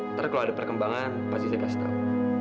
ntar kalau ada perkembangan pasti saya kasih tahu